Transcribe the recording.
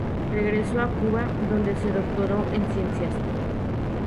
Regresó a Cuba, donde se doctoró en Ciencias.